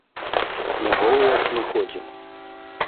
Не голыя ж мы ходзім.